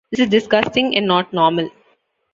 This is disgusting and not normal!